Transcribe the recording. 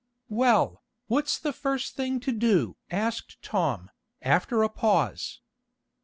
"Well, what's the first thing to do?" asked Tom, after a pause.